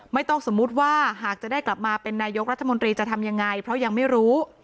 ไม่ต้องสมมุติว่าหากจะได้กลับมาเป็นนายกรัฐมนตรีจะทำยังไงเพราะยังไม่รู้